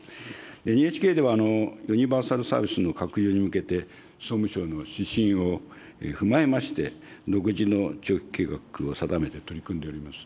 ＮＨＫでは、ユニバーサル・サービスの拡充に向けて、総務省の指針を踏まえまして、独自の長期計画を定めて取り組んでおります。